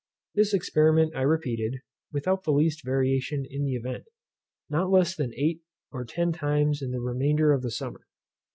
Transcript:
This experiment I repeated, without the least variation in the event, not less than eight or ten times in the remainder of the summer.